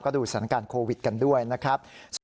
ดูสถานการณ์โควิดกันด้วยนะครับ